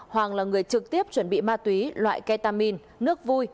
hoàng là người trực tiếp chuẩn bị ma túy loại ketamin nước vui